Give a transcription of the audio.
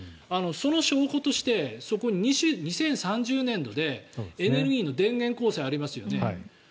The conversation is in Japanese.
その証拠としてそこに２０３０年度でエネルギーの電源構成ありますよね。